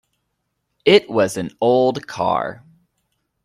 It was an old car.